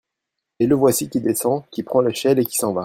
Et le voici qui descend, qui prend l'échelle, et qui s'en va.